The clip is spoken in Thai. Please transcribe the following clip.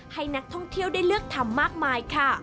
ให้นักท่องเที่ยวได้เลือกทำมากมายค่ะ